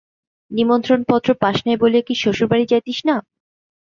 নিমন্ত্রণপত্র পাস নাই বলিয়া কি শ্বশুরবাড়ি যাইতিস না?